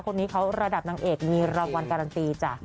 คนนี้เขาระดับนางเอกมีรางวัลการันตีจ้ะ